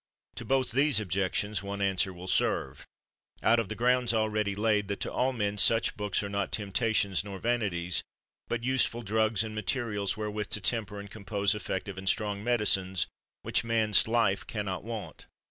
To both these objections one answer will serve, out of the grounds already laid, that to all men such books are not temptations, nor vanities, but use ful drugs and materials wherewith to temper and compose effective and strong medicines, which man's life can not want.